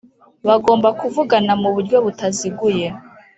bagomba kuvugana mu buryo butaziguye